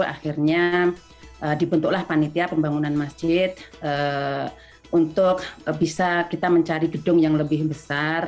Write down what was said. akhirnya dibentuklah panitia pembangunan masjid untuk bisa kita mencari gedung yang lebih besar